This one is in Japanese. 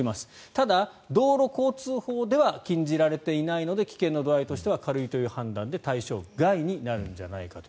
ただ、道路交通法では禁じられていないので危険の度合いとしては軽いということで対象外になるんじゃないかと。